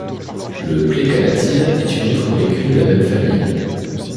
Le plecanatide est une autre molécule de la même famille.